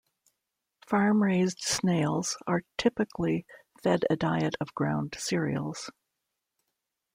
Farm-raised snails are typically fed a diet of ground cereals.